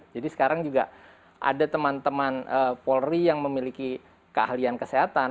jadi sekarang juga ada teman teman polri yang memiliki keahlian kesehatan